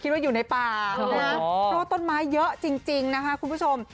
คิดว่าอยู่ในป่าเพราะต้นไม้เยอะจริงนะฮะคุณผู้ชม